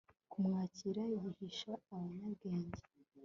kumwakira, yihisha abanyabwenge